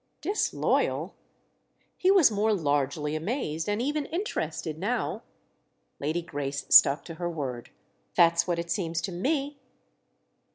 "'Disloyal'?"—he was more largely amazed and even interested now. Lady Grace stuck to her word. "That's what it seems to me!"